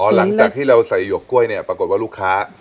หลังจากที่เราใส่หวกกล้วยเนี่ยปรากฏว่าลูกค้า